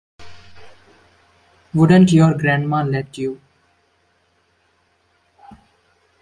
Wouldn't your grandma let you?